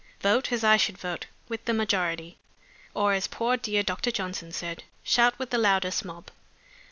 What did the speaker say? Vote, as I should vote, with the majority. Or as poor dear Dr. Johnson said, 'Shout with the loudest mob.